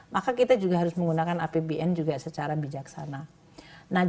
maka kita juga harus menggunakan apbn juga secara bijaksana